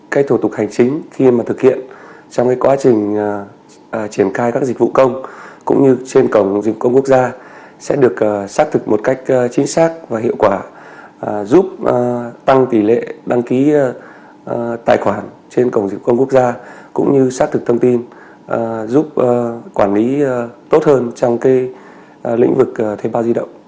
các thủ tục hành chính khi mà thực hiện trong cái quá trình triển khai các dịch vụ công cũng như trên cổng dịch vụ công quốc gia sẽ được xác thực một cách chính xác và hiệu quả giúp tăng tỷ lệ đăng ký tài khoản trên cổng dịch vụ công quốc gia cũng như xác thực thông tin giúp quản lý tốt hơn trong cái lĩnh vực thuê bao di động